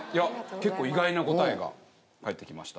結構意外な答えが返ってきました。